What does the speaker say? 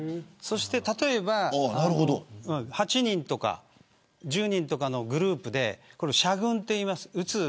例えば８人とか１０人とかのグループでこれを射群といいます。